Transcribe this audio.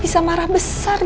bisa marah besar dia